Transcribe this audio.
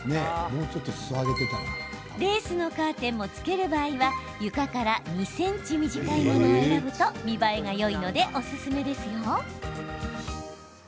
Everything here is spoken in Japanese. レースのカーテンもつける場合は床から２ｃｍ短いものを選ぶと見栄えがよいのでおすすめですよ。